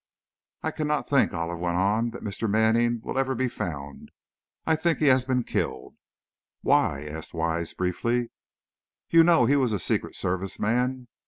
"I cannot think," Olive went on, "that Mr. Manning will ever be found. I think he has been killed." "Why?" asked Wise, briefly. "You know, he was a Secret Service man.